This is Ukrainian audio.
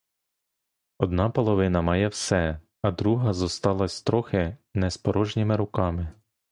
Одна половина має все, а друга зосталась трохи не з порожніми руками.